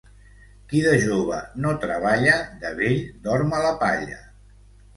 Qui de jove no treballa, de vell dorm a la palla.